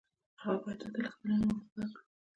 هغه باید د اتلس کلنۍ عمر پوره کړي.